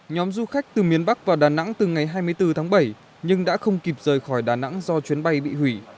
nhóm du khách từ miền bắc vào đà nẵng từ ngày hai mươi bốn tháng bảy nhưng đã không kịp rời khỏi đà nẵng do chuyến bay bị hủy